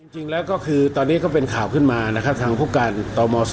จริงแล้วก็คือตอนนี้ก็เป็นข่าวขึ้นมานะครับทางผู้การตม๒